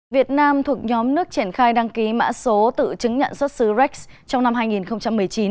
việt nam thuộc nhóm nước triển khai đăng ký mã số tự chứng nhận xuất xứ rex trong năm hai nghìn một mươi chín